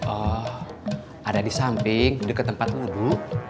oh ada di samping dekat tempat wudhu